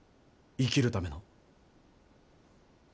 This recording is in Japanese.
生きるための。